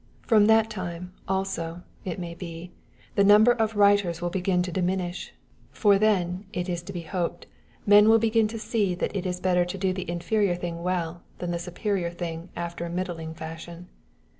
From that time, also, it may be, the number of writers will begin to diminish; for then, it is to be hoped, men will begin to see that it is better to do the inferior thing well than the superior thing after a middling fashion.